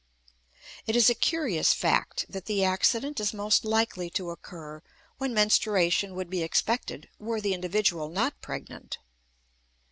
It is a curious fact that the accident is most likely to occur when menstruation would be expected were the individual not pregnant.